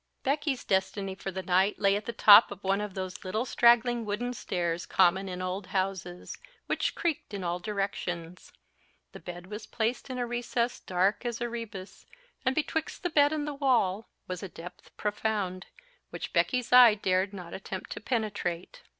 Becky's destiny for the night lay at the top of one of those little straggling wooden stairs common in old houses, which creaked in all directions. The bed was placed in a recess dark as Erebus, and betwixt the bed and the wall, was a depth profound, which Becky's eye dared not attempt to penetrate.